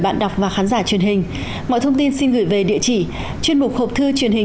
bạn đọc và khán giả truyền hình mọi thông tin xin gửi về địa chỉ chuyên mục hộp thư truyền hình